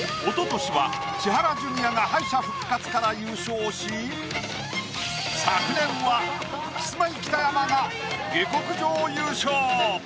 おととしは千原ジュニアが敗者復活から優勝し昨年はキスマイ北山が下克上優勝！